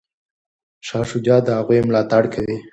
شاه شجاع د هغوی ملاتړ کوي.